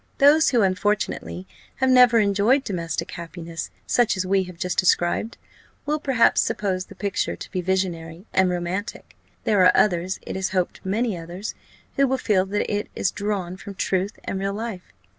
Those who unfortunately have never enjoyed domestic happiness, such as we have just described, will perhaps suppose the picture to be visionary and romantic; there are others it is hoped many others who will feel that it is drawn from truth and real life.